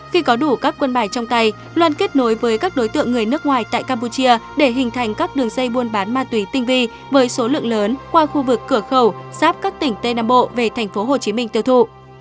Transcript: khi có đủ các quân bài trong tay loan kết nối với các đối tượng người nước ngoài tại campuchia để hình thành các đường xây buôn bán ma túy tinh vi với số lượng lớn qua khu vực cửa khẩu sáp các tỉnh tây nam bộ về thành phố hồ chí minh tiêu thụ